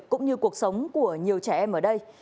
cũng như cuộc sống của nhiều trẻ em ở đây